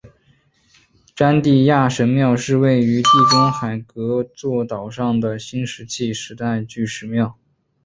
詹蒂亚神庙是位于地中海戈佐岛上的新石器时代巨石庙。